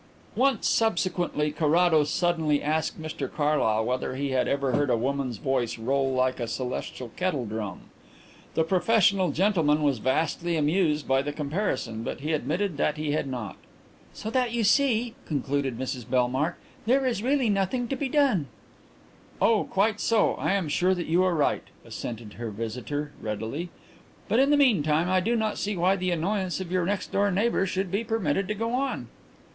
Once, subsequently, Carrados suddenly asked Mr Carlyle whether he had ever heard a woman's voice roll like a celestial kettle drum. The professional gentleman was vastly amused by the comparison, but he admitted that he had not. "So that, you see," concluded Mrs Bellmark, "there is really nothing to be done." "Oh, quite so; I am sure that you are right," assented her visitor readily. "But in the meanwhile I do not see why the annoyance of your next door neighbour should be permitted to go on."